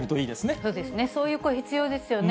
そうですね、そういう声、必要ですよね。